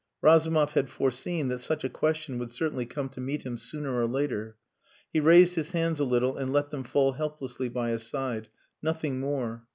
Razumov had foreseen that such a question would certainly come to meet him sooner or later. He raised his hands a little and let them fall helplessly by his side nothing more.